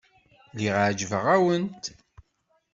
Lliɣ ɛejbeɣ-awent.